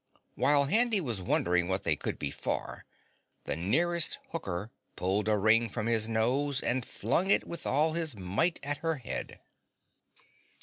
While Handy was wondering what they could be for, the nearest Hooker pulled a ring from his nose and flung it with all his might at her head.